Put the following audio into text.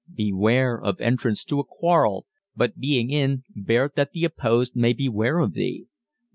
Beware Of entrance to a quarrel: but, being in, Bear't that the opposed may beware of thee.